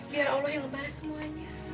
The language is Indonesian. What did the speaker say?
biar allah yang ngebalas semuanya